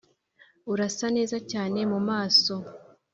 urasa neza cyane mu maso.